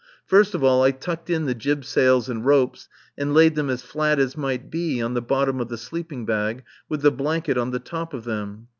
First of all I tucked in the jib sails and ropes and laid them as flat as might be on the bottom of the sleeping bag, with the blanket on the top of them.